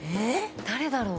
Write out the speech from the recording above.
誰だろう？